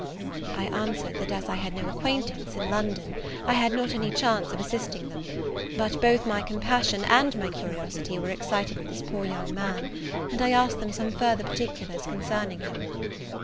I answered, that as I had no acquaintance in London, I had not any chance of assisting them: but both my compassion and my curiosity were excited for this poor young man; and I asked them some further particulars concerning him.